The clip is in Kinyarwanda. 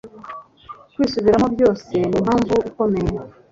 Kwisubiramo byose nimpamvu ikomeye